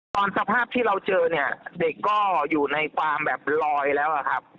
ตอนสภาพที่เราเจอเด็กก็อยู่ในความแบบลอยแล้ว